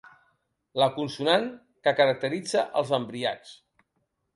La consonant que caracteritza els embriacs.